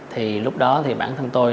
thì lúc đó thì bản thân tôi